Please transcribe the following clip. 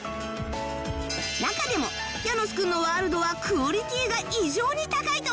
中でもヤノスくんのワールドはクオリティーが異常に高いと話題！